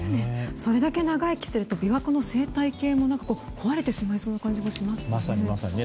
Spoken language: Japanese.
それだけ長生きすると琵琶湖の生態系も壊れてしまいそうな感じもしますよね。